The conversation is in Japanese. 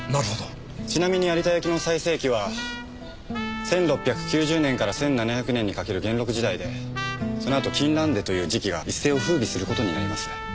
ちなみに有田焼の最盛期は１６９０年から１７００年にかかる元禄時代でその後金襴手という磁器が一世を風靡する事になります。